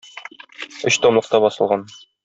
Өчтомлыкта басылган.